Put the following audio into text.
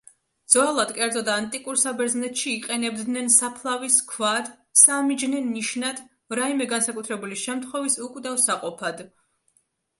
ძველად, კერძოდ ანტიკურ საბერძნეთში, იყენებდნენ საფლავის ქვად, სამიჯნე ნიშნად, რაიმე განსაკუთრებული შემთხვევის უკვდავსაყოფად.